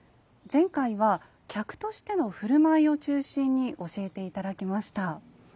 前回は客としての振る舞いを中心に教えて頂きました。